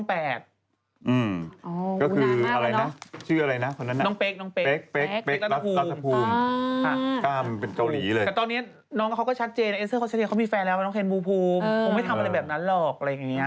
พวกเหมือนผู้ชายคนนั้น